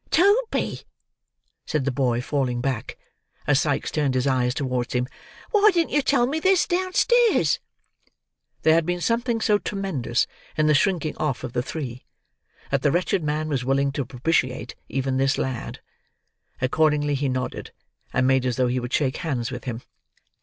"Toby," said the boy falling back, as Sikes turned his eyes towards him, "why didn't you tell me this, downstairs?" There had been something so tremendous in the shrinking off of the three, that the wretched man was willing to propitiate even this lad. Accordingly he nodded, and made as though he would shake hands with him.